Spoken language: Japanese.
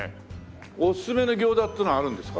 おすすめの餃子っていうのはあるんですか？